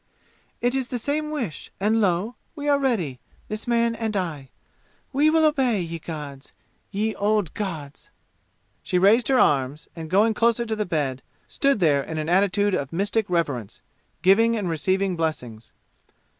It is the same wish, and lo! We are ready, this man and I. We will obey, ye gods ye old gods!" She raised her arms and, going closer to the bed, stood there in an attitude of mystic reverence, giving and receiving blessings.